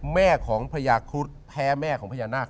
แม่ของพญาครุฑแพ้แม่ของพญานาค